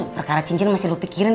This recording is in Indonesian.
perkara cincin masih lo pikirin